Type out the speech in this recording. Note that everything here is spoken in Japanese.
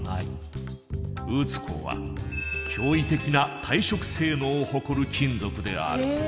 ウーツ鋼は驚異的な耐食性能を誇る金属である。